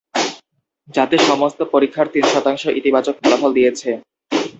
যাতে সমস্ত পরীক্ষার তিন শতাংশ ইতিবাচক ফলাফল দিয়েছে।